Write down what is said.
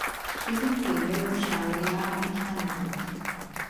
She is in favor of Sharia in Canada.